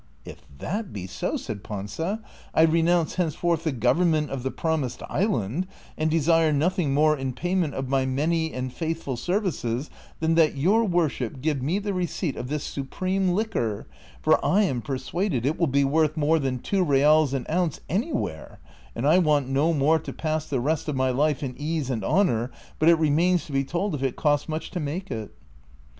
" If that be so," said I'anza, " I renounce henceforth the government of the promised island, and desire nothing more in payment of my many and faithful services than that your worship give me the recei})t of this supreme liquor, for I am persuaded it will be worth more than two reals an ounce any where, and I want no more to pass the rest of my life in ease and honor; but it remains to be told if it costs much to make it."